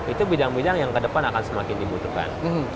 itu bidang bidang yang kedepan akan semakin dibutuhkan